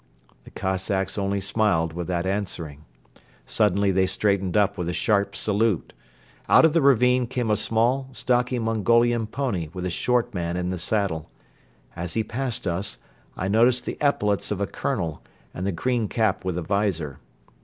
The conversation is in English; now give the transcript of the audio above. The Cossacks only smiled without answering. Suddenly they straightened up with a sharp salute. Out of the ravine came a small, stocky Mongolian pony with a short man in the saddle. As he passed us, I noticed the epaulets of a colonel and the green cap with a visor.